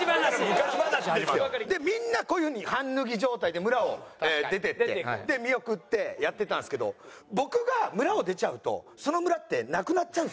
昔話始まるの？でみんなこういうふうに半脱ぎ状態で村を出ていって。で見送ってやってたんですけど僕が村を出ちゃうとその村ってなくなっちゃうんですよ。